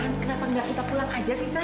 san kenapa nggak kita pulang aja sih san